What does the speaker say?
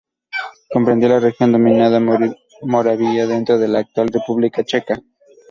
Comprendía la región denominada Moravia dentro de la actual República Checa.